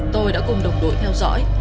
tôi đã cùng đồng đội theo dõi